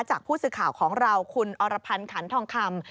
จากผู้สื่อข่าวของเราคุณอรพันธ์ขันทองคำ